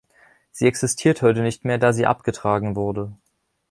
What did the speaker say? Sie existiert heute nicht mehr, da sie abgetragen wurde.